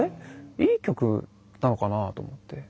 いい曲なのかな？と思って。